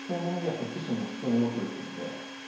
やっぱり棋士に必要な要素ですんで。